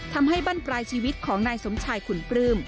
ทำให้บ้านปลายชีวิตของนายสมชายขุนปลื้ม